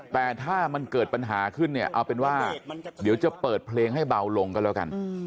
แต่ถ้ามันเกิดปัญหาขึ้นเนี่ยเอาเป็นว่าเดี๋ยวจะเปิดเพลงให้เบาลงก็แล้วกัน